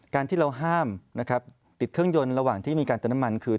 การที่เราห้ามนะครับติดเครื่องยนต์ระหว่างที่มีการเติมน้ำมันคือ